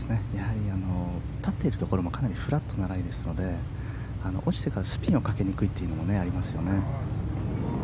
立っているところもフラットなライですのでスピンをかけにくいというのがありますね。